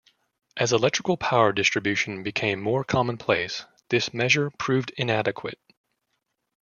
As electrical power distribution became more commonplace, this measure proved inadequate.